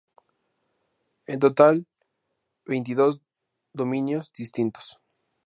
En total, veintidós dominios distintos.